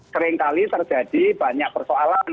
sering kali terjadi banyak persoalan